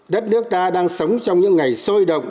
đất nước ta đang sống trong những ngày sôi động